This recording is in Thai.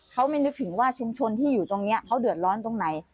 เขาไม่นึกถึงว่าชุมชนที่อยู่ตรงนี้เขาเดือดร้อนตรงไหน